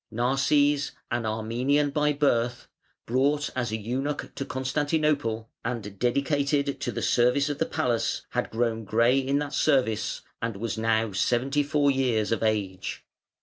Narses, an Armenian by birth, brought as an eunuch to Constantinople, and dedicated to the service of the palace, had grown grey in that service, and was now seventy four years of age.